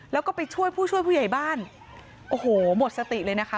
แล้วก็ไปช่วยผู้ช่วยผู้ใหญ่บ้านโอ้โหหมดสติเลยนะคะ